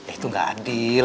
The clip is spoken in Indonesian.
itu gak adil